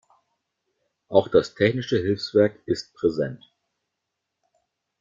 Auch das Technische Hilfswerk ist präsent.